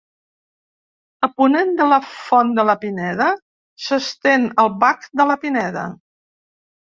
A ponent de la Font de la Pineda s'estén el Bac de la Pineda.